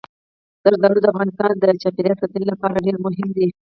زردالو د افغانستان د چاپیریال ساتنې لپاره ډېر مهم دي.